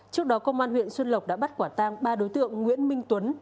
trước đó công an huyện xuân lộc đã bắt quả tang ba đối tượng nguyễn minh tuấn